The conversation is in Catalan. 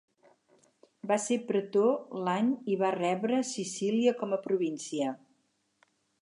Va ser pretor l'any i va rebre Sicília com a província.